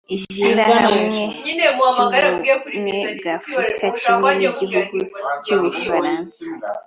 Ishyirahamwer ry’Ubumwe bwa Afrika kimwe n’igihugu cy’Ubufaransa